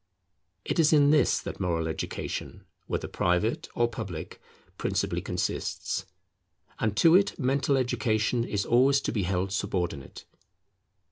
It is in this that moral education, whether private or public, principally consists; and to it mental education is always to be held subordinate.